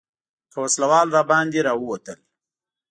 که وسله وال راباندې راووتل.